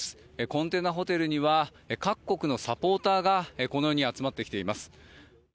コンテナホテルには各国のサポーターがこのように集まってきています。